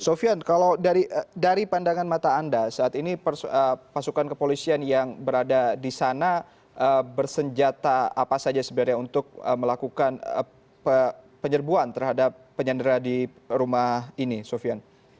sofian kalau dari pandangan mata anda saat ini pasukan kepolisian yang berada di sana bersenjata apa saja sebenarnya untuk melakukan penyerbuan terhadap penyandera di rumah ini sofian